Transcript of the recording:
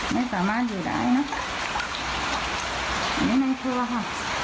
ไม่สามารถอยู่ใดนะอันนี้ไม่ท่วมค่ะ